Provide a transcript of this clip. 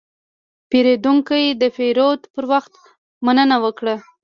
پیرودونکی د پیرود پر وخت مننه وکړه.